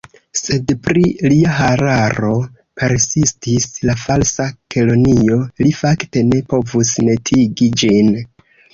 « Sed pri lia hararo," persistis la Falsa Kelonio, "li fakte ne povus netigi ĝin."